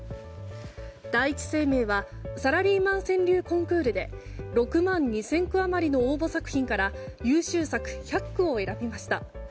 第一生命はサラリーマン川柳コンクールで６万２０００句余りの応募作品から優秀作１００句を選びました。